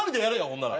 ほんなら。